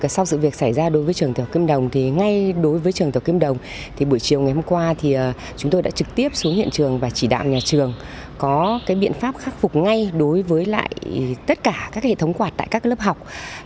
sau sự việc xảy ra đối với trường tàu kim đồng ngay đối với trường tàu kim đồng buổi chiều ngày hôm qua chúng tôi đã trực tiếp xuống hiện trường và chỉ đạm nhà trường có biện pháp khắc phục ngay đối với tất cả các hệ thống quạt tại các lớp học